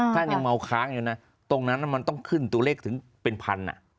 ตรงนั้นมันต้องขึ้นตัวเลขถึงเป็นพัน